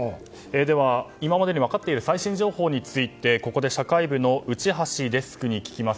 では、今までに分かっている最新情報についてここで社会部の内橋デスクに聞きます。